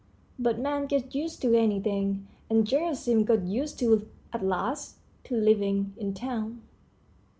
But man gets used to anything, and Gerasim got used at last to living in town.